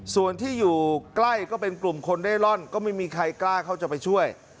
ส่วนที่อยู่ใกล้ก็เป็นกลุ่มคนเร่ร่อนก็ไม่มีใครกล้าเข้าจะไปช่วย